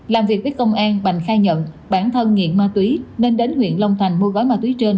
làm việc với công an bành khai nhận bản thân nghiện ma túy nên đến huyện long thành mua gói ma túy trên